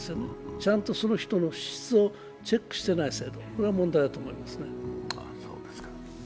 ちゃんとその人の資質をチェックしていない、これは問題だと思いますね。